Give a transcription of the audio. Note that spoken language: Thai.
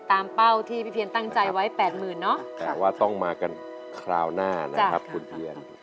เป้าที่พี่เพียรตั้งใจไว้แปดหมื่นเนาะแต่ว่าต้องมากันคราวหน้านะครับคุณเพียน